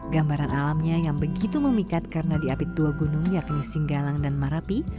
gambaran alamnya yang begitu memikat karena diapit dua gunung yakni singgalang dan marapi